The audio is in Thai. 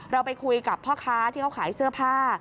เราไปคุยกับพ่อค้าที่เขาขายเสื้อผ้า